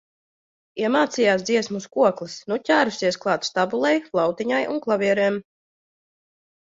Iemācījās dziesmu uz kokles, nu ķērusies klāt stabulei, flautiņai un klavierēm.